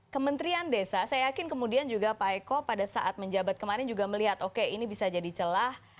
kementerian desa saya yakin kemudian juga pak eko pada saat menjabat kemarin juga melihat oke ini bisa jadi celah